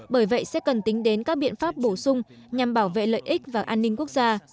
bởi vậy sẽ cần tính đến các biện pháp bổ sung nhằm bảo vệ lợi ích và an ninh quốc gia